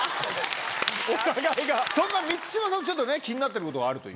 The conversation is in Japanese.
そんな満島さんも気になってることがあると。